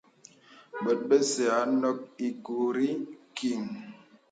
Bòt bəsà à nók īkori kiŋ.